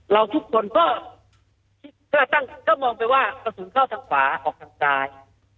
ทุกคนก็มองไปว่ากระสุนเข้าทางขวาออกทางซ้าย